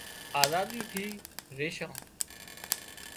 آزادي ٿي ريشان